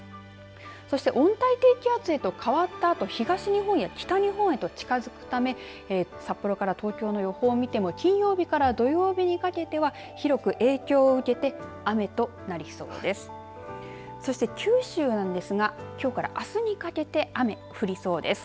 そして温帯低気圧へと変わったあと東日本や北日本へと近づくため札幌から東京の予報を見ても金曜日から土曜日にかけては広く影響を受けて雨となりそうです。